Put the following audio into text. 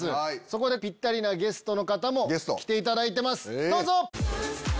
そこでピッタリなゲストの方も来ていただいてますどうぞ！